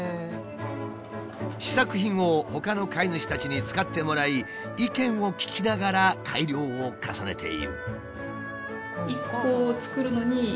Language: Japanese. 試作品をほかの飼い主たちに使ってもらい意見を聞きながら改良を重ねている。